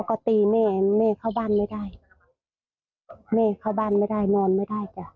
ก็ตีแม่แม่เข้าบ้านไม่ได้แม่เข้าบ้านไม่ได้นอนไม่ได้จ้ะ